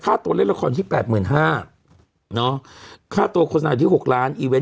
ข้าตัวเล่นละครที่แปดหมื่นห้าเนาะค่าตัวโฆษณาอยู่ที่หกล้าน